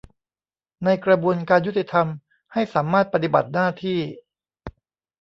ในกระบวนการยุติธรรมให้สามารถปฏิบัติหน้าที่